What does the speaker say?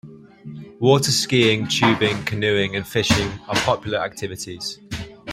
Water skiing, tubing, canoeing, and fishing are popular activities.